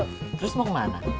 terus mau kemana